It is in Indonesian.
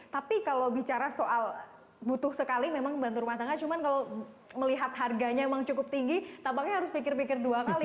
tapi kalau bicara soal butuh sekali memang bantu rumah tangga cuma kalau melihat harganya memang cukup tinggi tampaknya harus pikir pikir dua kali